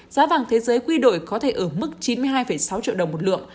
giá vàng thế giới quy đổi có thể ở mức chín mươi hai sáu triệu đồng một lượng